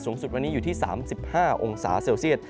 สูงสุดวันนี้อยู่ที่๓๕องศาเซลเซียต